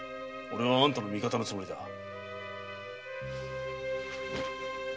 おれはあんたの味方のつもりだ。